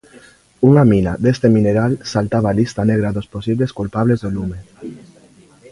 Unha mina deste mineral saltaba á lista negra dos posibles culpables do lume.